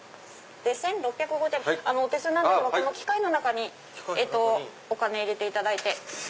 １６５０円お手数なんですがこの機械の中にお金入れていただいて。